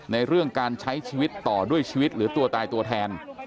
ในเรื่องการใช้ชีวิตต่อด้วยชีวิตหรือตัวตายตัวแทน